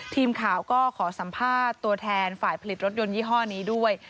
ทีมข่าวก็ขอสัมภาษณ์ตัวแทนฝ่ายผลิตรถยนต์ยี่ห้อนี้ด้วย